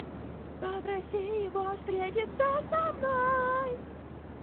Попроси его встретиться со мной.